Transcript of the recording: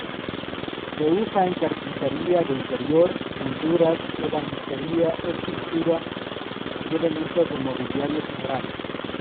Se usa en carpintería de interior, molduras, ebanistería, escultura y elementos de mobiliario general.